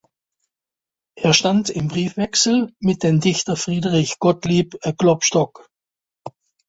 Er stand in Briefwechsel mit dem Dichter Friedrich Gottlieb Klopstock.